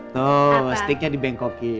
tuh sticknya di bengkokin